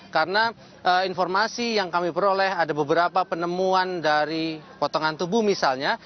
karena informasi yang kami peroleh ada beberapa penemuan dari potongan tubuh misalnya